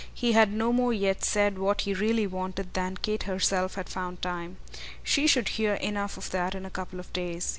He had no more yet said what he really wanted than Kate herself had found time. She should hear enough of that in a couple of days.